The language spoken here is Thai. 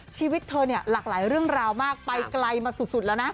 ชีวิตเธอเนี่ยหลากหลายเรื่องราวมากไปไกลมาสุดแล้วนะ